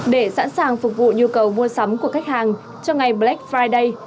để sẵn sàng phục vụ nhu cầu mua sắm của khách hàng cho ngày black friday